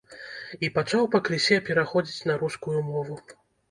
І пачаў пакрысе пераходзіць на рускую мову.